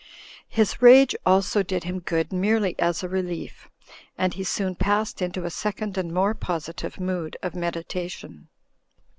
His rage also did him good merely as a relief, and he soon passed into a second and more positive mood of meditation.